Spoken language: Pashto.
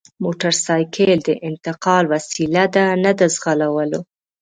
موټرسایکل د انتقال وسیله ده نه د ځغلولو!